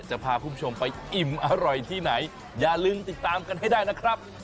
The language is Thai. จะพาคุณผู้ชมไปอิ่มอร่อยที่ไหนอย่าลืมติดตามกันให้ได้นะครับ